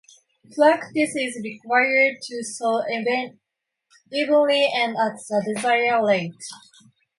Practice is required to sow evenly and at the desired rate.